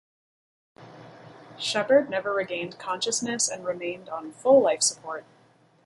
Shepard never regained consciousness and remained on full life support.